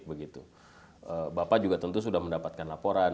bapak juga tentu sudah mendapatkan laporan